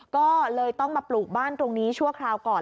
ก็เลยต้องมาปลูกบ้านตรงนี้ชั่วคราวก่อน